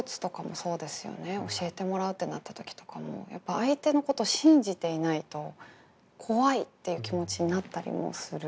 教えてもらうってなった時とかもやっぱ相手のこと信じていないと怖いっていう気持ちになったりもする。